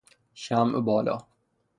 شمع بالا